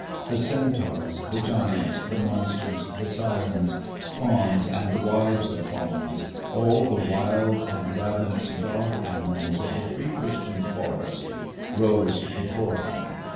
The centaurs, the giants and monsters, the syrens, fauns and wives of fauns, all the wild and ravenous god animals of the pre Christian forest rose before him.